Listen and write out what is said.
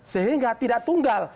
sehingga tidak tunggal